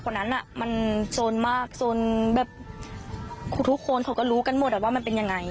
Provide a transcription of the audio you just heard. คนนั้นอ่ะมันโซนมากโซนแบบทุกคนเขาก็รู้กันหมดว่ามันเป็นยังไง